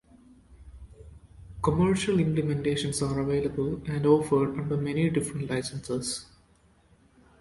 Commercial implementations are available, and offered under many different licenses.